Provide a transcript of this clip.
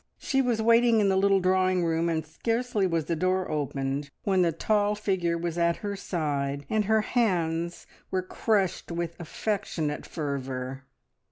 She was waiting in the little drawing room, and scarcely was the door opened when the tall figure was at her side, and her hands were crushed with affectionate fervour.